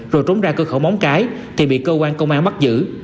rồi trốn ra cơ khẩu móng cái thì bị cơ quan công an bắt giữ